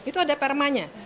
itu ada permanya